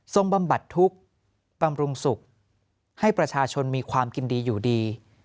บำบัดทุกข์บำรุงสุขให้ประชาชนมีความกินดีอยู่ดี